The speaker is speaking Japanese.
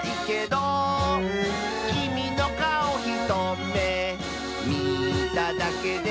「きみのかおひとめみただけで」